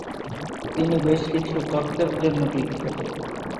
তিনি বেশকিছু তত্ত্বের জন্য বিখ্যাত।